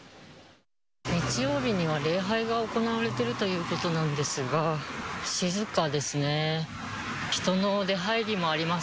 日曜日には礼拝が行われているということなんですが、静かですね。